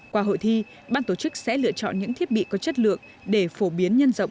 qua hội thi ban tổ chức sẽ lựa chọn những thiết bị có chất lượng để phổ biến nhân rộng